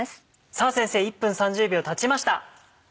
さぁ先生１分３０秒たちました。